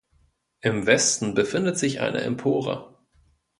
Im Westen befindet sich eine Empore.